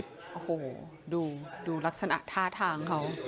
โอ้โหดูลักษณะท่าทางเขา